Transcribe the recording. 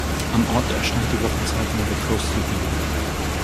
Am Ort erscheint die Wochenzeitung "The Coastal View".